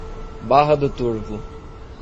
Barra do Turvo